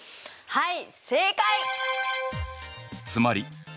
はい。